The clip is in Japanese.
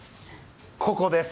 ここです。